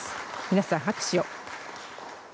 皆さん、拍手を。